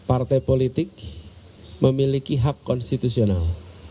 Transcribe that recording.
dan partai politik juga memiliki hak konstitusional